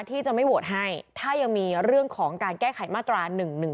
ที่จะไม่โหวตให้ถ้ายังมีเรื่องของการแก้ไขมาตรา๑๑๒